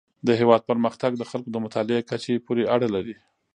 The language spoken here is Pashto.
د هیواد پرمختګ د خلکو د مطالعې کچې پورې اړه لري.